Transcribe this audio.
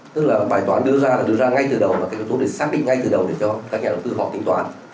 tức là bài toán đưa ra là đưa ra ngay từ đầu và các nhà đầu tư được xác định ngay từ đầu để cho các nhà đầu tư học kinh toán